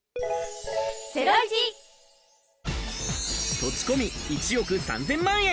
土地込み１億３０００万円。